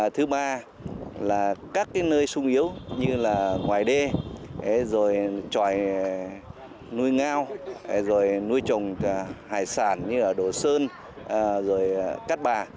thứ ba là các nơi sung yếu như ngoài đê tròi nuôi ngao nuôi trồng hải sản như đồ sơn cát bà